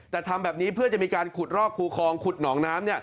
แต่ทำแบบนี้เพื่อจะมีการขุดรอกคูคลองขุดหนองน้ำ